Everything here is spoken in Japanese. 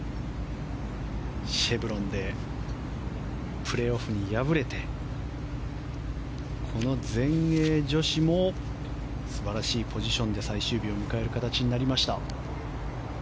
シェブロンでプレーオフに敗れてこの全英女子も素晴らしいポジションで最終日を迎える形になりました。